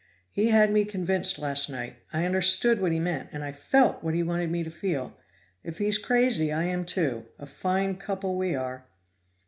He had me convinced last night; I understood what he meant, and I felt what he wanted me to feel. If he's crazy, I am too; a fine couple we are!"